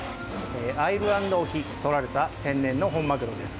アイルランド沖でとられた天然の本マグロです。